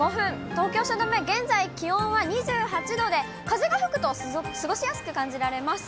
東京・汐留、現在、気温は２８度で、風が吹くと過ごしやすく感じられます。